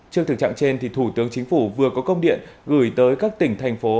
trước thực trạng trên thủ tướng chính phủ vừa có công điện gửi tới các tỉnh thành phố